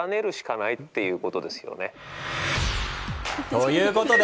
ということで。